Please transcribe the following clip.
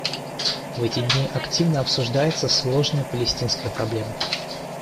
В эти дни активно обсуждается сложная палестинская проблема.